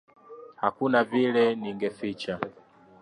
Hakuna vile ningeficha.